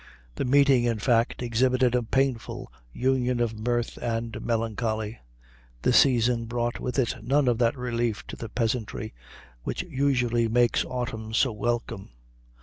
The meeting, in fact, exhibited a painful union of mirth and melancholy. The season brought with it none of that relief to the peasantry which usually makes autumn so welcome.